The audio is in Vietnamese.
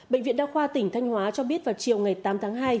bệnh viện đa khoa tỉnh thanh hóa cho biết vào chiều ngày tám tháng hai